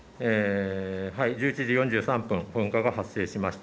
１１時４３分噴火が発生しました。